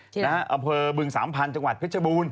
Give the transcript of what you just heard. อำเภอบึงสามพันธุ์จังหวัดเพชรบูรณ